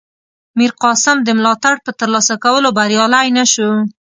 میرقاسم د ملاتړ په ترلاسه کولو بریالی نه شو.